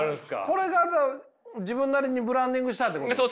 これが自分なりにブランディングしたってことですか？